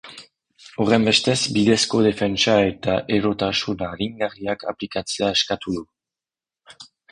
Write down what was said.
Horrenbestez, bidezko defentsa eta erotasun aringarriak aplikatzea eskatu du.